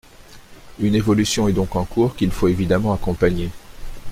Une évolution est donc en cours, qu’il faut évidemment accompagner.